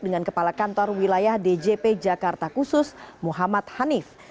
dengan kepala kantor wilayah djp jakarta khusus muhammad hanif